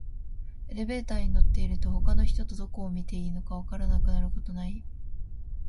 エレベーターに乗ってると、他の人とどこを見ていたらいいか分からなくなることない？